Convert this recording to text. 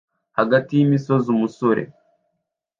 Hagati y'imisozi umusore